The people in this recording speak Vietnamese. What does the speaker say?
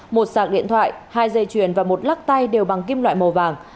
một sạc điện thoại hai dây chuyền và một lắc tay đều bằng kim loại màu vàng